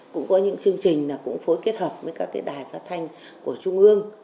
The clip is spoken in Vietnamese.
cũng có những chương trình phối kết hợp với các đài phát thanh của trung ương